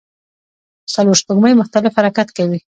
څلور سپوږمۍ مختلف حرکت کوي.